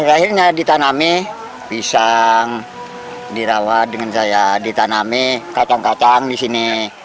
akhirnya ditanami pisang dirawat dengan saya ditanami katong katong di sini